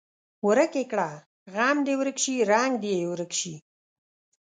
ورک یې کړه غم دې ورک شي رنګ دې یې ورک شي.